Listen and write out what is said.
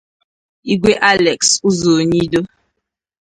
Igwe Alex Ụzọr Ọnyịdo